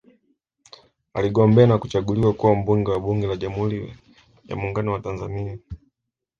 Aligombea na kuchaguliwa kuwa Mbunge wa Bunge la Jamhuri ya Muungano wa Tanzania